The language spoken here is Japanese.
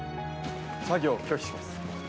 作業を拒否します。